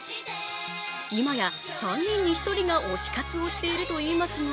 今や３人に１人が推し活をしているといいますが